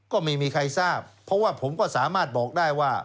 ก็ไม่มีใครทราบเพราะว่าผมก็สามารถบอกได้ว่า